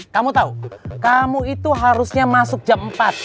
kamu tahu kamu itu harusnya masuk jam empat